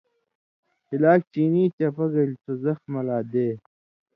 ہِلاک چینی چپہ گلے سو زخمہ لا دے